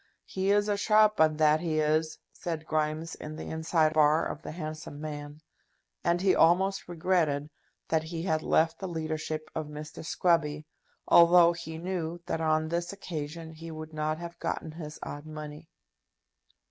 "He is a sharp 'un, that he is," said Grimes in the inside bar of the "Handsome Man;" and he almost regretted that he had left the leadership of Mr. Scruby, although he knew that on this occasion he would not have gotten his odd money.